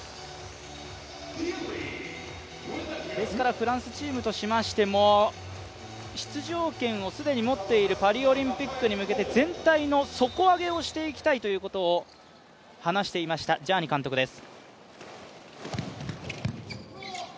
フランスチームとしましても出場権を既に持っているパリオリンピックに向けて全体の底上げをしていきたいということを話していました、ジャーニ監督です